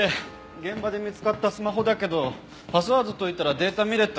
現場で見つかったスマホだけどパスワード解いたらデータ見れたよ。